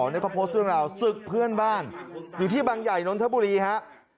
ในค้าโพสต์ด้วยเราสึกเพื่อนบ้านอยู่ที่บางใหญ่นนทบุรีครับ